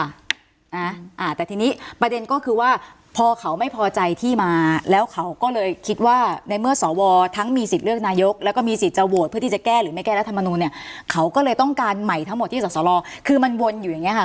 อ่าอ่าแต่ทีนี้ประเด็นก็คือว่าพอเขาไม่พอใจที่มาแล้วเขาก็เลยคิดว่าในเมื่อสวทั้งมีสิทธิ์เลือกนายกแล้วก็มีสิทธิ์จะโหวตเพื่อที่จะแก้หรือไม่แก้รัฐมนูลเนี่ยเขาก็เลยต้องการใหม่ทั้งหมดที่สอสรคือมันวนอยู่อย่างเงี้ค่ะ